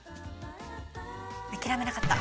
「諦めなかった！」